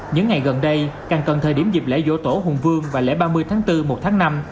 những ngày gần đây càng cần thời điểm dịp lễ dỗ tổ hùng vương và lễ ba mươi tháng bốn một tháng năm